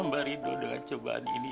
ambarido dengan cobaan ini